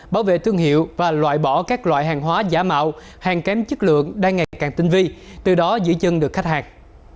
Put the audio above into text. bảo vệ thương hiệu và loại bỏ các loại hàng hóa giả mạo hàng kém chất lượng đang ngày càng tinh vi từ đó giữ chân được khách hàng